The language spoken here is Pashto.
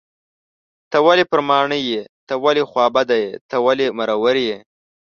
ته ولې پر ماڼي یې .ته ولې خوابدی یې .ته ولې مرور یې